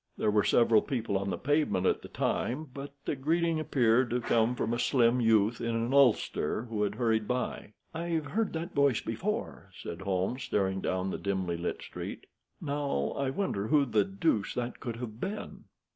There were several people on the pavement at the time, but the greeting appeared to come from a slim youth in an ulster who had hurried by. "I've heard that voice before," said Holmes, staring down the dimly lighted street. "Now, I wonder who the deuce that could have been?"